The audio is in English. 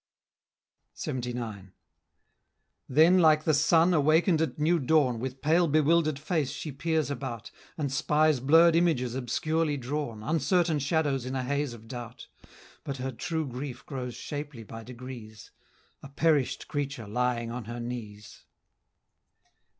LXXIX. Then like the sun, awaken'd at new dawn, With pale bewilder'd face she peers about, And spies blurr'd images obscurely drawn, Uncertain shadows in a haze of doubt; But her true grief grows shapely by degrees, A perish'd creature lying on her knees.